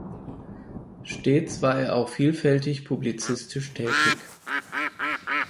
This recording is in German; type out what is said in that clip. Stets war er auch vielfältig publizistisch tätig.